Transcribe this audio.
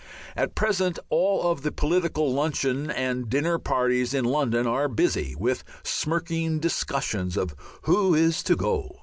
At present all the political luncheon and dinner parties in London are busy with smirking discussions of "Who is to go?"